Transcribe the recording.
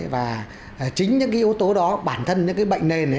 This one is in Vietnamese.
và chính những cái yếu tố đó bản thân những cái bệnh nền